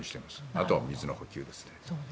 あとはお水の補給ですね。